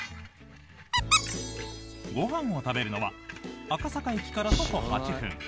ご飯を食べるのは赤坂駅から徒歩８分